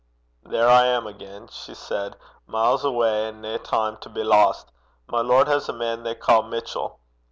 'There I am again!' she said 'miles awa' an' nae time to be lost! My lord has a man they ca' Mitchell.